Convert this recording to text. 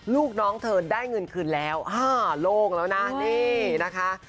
ลูกน้องเธอได้เงินคืนแล้วอ่าโล่งแล้วนะนี่นะคะ